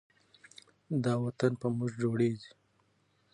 دا وطن په موږ جوړیږي.